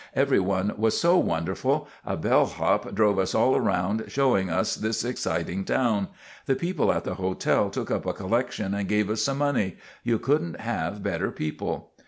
"Everyone was so wonderful. A bellhop drove us all around, showing us this exciting town. The people at the hotel took up a collection and gave us some money. You couldn't have better people."